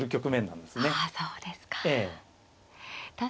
そうですか。